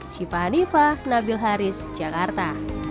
syifa hanifah nabil haris jakarta